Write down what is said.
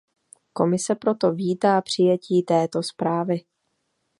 Komise proto vítá přijetí této zprávy.